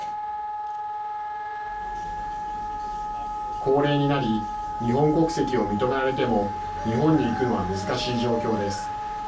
高齢になり、日本国籍を認められても、日本に行くのは難しい状況です。